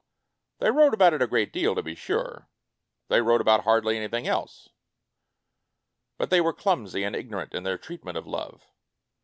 They wrote about it a great deal, to be sure ; they wrote about hardly anything else. But they were "clumsy" and "igno rant" in their treatment of love.